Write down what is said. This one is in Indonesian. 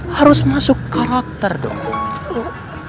harus masuk karakter dong